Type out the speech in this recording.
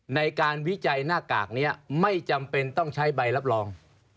วิจัยหน้ากากนี้ไม่จำเป็นต้องใช้ใบรับรอง